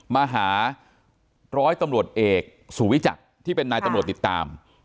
มาหาร้อยตำรวจเอกสุวิจักรที่เป็นนายตำรวจติดตาม